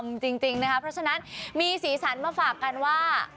เพราะฉะนั้นมีสีสันมาฝากกันว่า